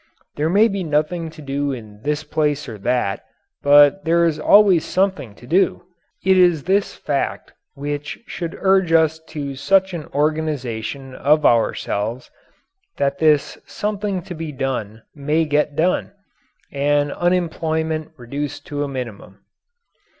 There may be nothing to do in this place or that, but there is always something to do. It is this fact which should urge us to such an organization of ourselves that this "something to be done" may get done, and unemployment reduced to a minimum.